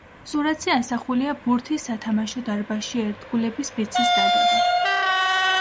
სურათზე ასახულია ბურთის სათამაშო დარბაზში ერთგულების ფიცის დადება.